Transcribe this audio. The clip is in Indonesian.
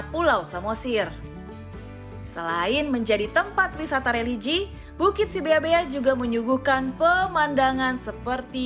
pulau samosir selain menjadi tempat wisata religi bukit sibeabea juga menyuguhkan pemandangan seperti